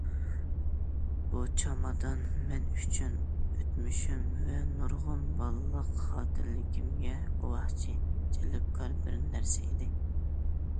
بۇ چامادان مەن ئۈچۈن ئۆتمۈشۈم ۋە نۇرغۇن بالىلىق خاتىرىلىرىمگە گۇۋاھچى، جەلپكار بىر نەرسە ئىدى.